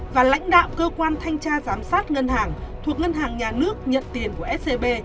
và lãnh đạo cơ quan thanh tra giám sát ngân hàng thuộc ngân hàng nhà nước nhận tiền của scb